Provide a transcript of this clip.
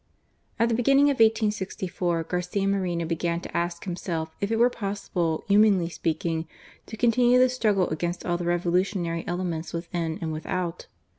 At the beginning of 1864 Garcia Moreno began to ask himself if it were possible, humanly speaking, to continue the struggle, against all the revolutionary elements within and without